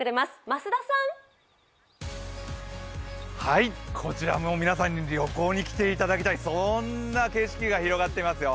増田さん、こちら、皆さんに旅行に来ていただきたい、そんな景色が広がっていますよ。